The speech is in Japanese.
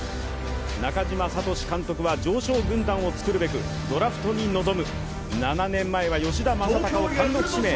中嶋聡監督は常勝軍団をつくるべくドラフトに臨む７年前は吉田正尚を単独指名。